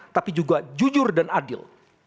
tapi juga jujur dan adil